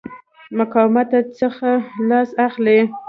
مقاومته څخه لاس اخلي.